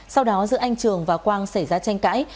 sau đó giữa anh trường và quang xảy ra tranh cãi